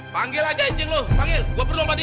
panggil aja cik lo panggil gua perlu nombor dia